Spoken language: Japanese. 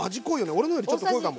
俺のよりちょっと濃いかも。